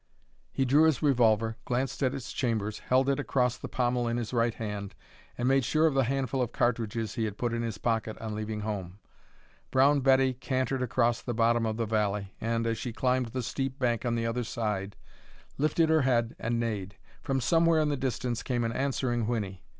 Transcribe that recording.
He drew his revolver, glanced at its chambers, held it across the pommel in his right hand, and made sure of the handful of cartridges he had put in his pocket on leaving home. Brown Betty cantered across the bottom of the valley and, as she climbed the steep bank on the other side, lifted her head and neighed. From somewhere in the distance came an answering whinny.